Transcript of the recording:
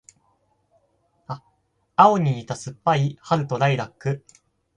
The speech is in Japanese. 青に似た酸っぱい春とライラック